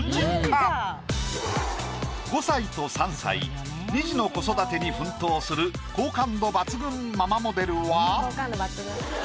５歳と３歳２児の子育てに奮闘する好感度抜群ママモデルは。